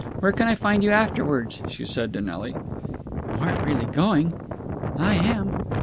Where can I find you afterwards?" she said to Nelly. "You aren't really going?" "I am!"